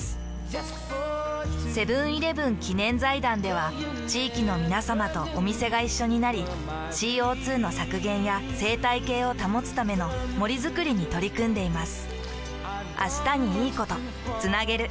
セブンーイレブン記念財団では地域のみなさまとお店が一緒になり ＣＯ２ の削減や生態系を保つための森づくりに取り組んでいます。